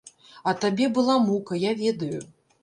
А табе была мука, я ведаю.